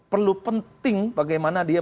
perlu penting bagaimana dia